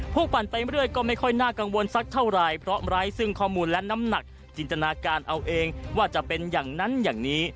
ปั่นไปเรื่อยก็ไม่ค่อยน่ากังวลสักเท่าไหร่เพราะไร้ซึ่งข้อมูลและน้ำหนักจินตนาการเอาเองว่าจะเป็นอย่างนั้นอย่างนี้